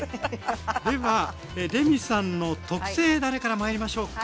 ではレミさんの特製だれからまいりましょうか。